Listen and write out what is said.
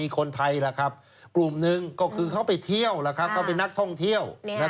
กลุ่มหนึ่งก็คือเขาไปเที่ยวนะครับเขาเป็นนักท่องเที่ยว